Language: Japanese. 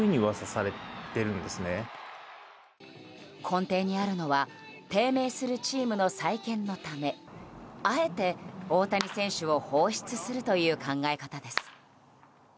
根底にあるのは低迷するチームの再建のためあえて大谷選手を放出するという考え方です。